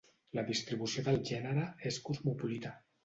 La distribució del gènere és cosmopolita.